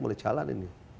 mulai jalan ini